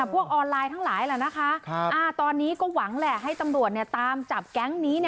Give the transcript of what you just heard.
ออนไลน์ทั้งหลายแหละนะคะตอนนี้ก็หวังแหละให้ตำรวจตามจับแก๊งนี้